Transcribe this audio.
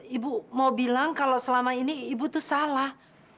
ibu mau bilang kalau selama ini ibu itu salah